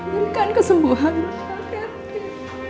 berikan kesembuhan mbak katrin